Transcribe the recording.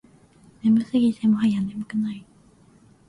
眠すぎてもはや眠くない